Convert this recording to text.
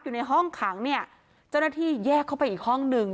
อยู่ในห้องขังเนี่ยเจ้าหน้าที่แยกเข้าไปอีกห้องหนึ่ง